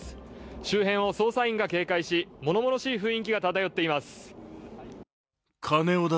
周辺を捜査員が警戒し、ものものしい雰囲気が漂っています。